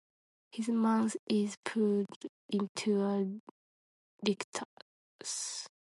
His mouth is pulled into a rictus.